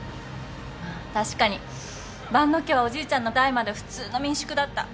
確かに万野家はおじいちゃんの代まで普通の民宿だった。